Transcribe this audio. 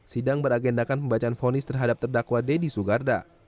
sidang beragendakan pembacaan fonis terhadap terdakwa deddy sugarda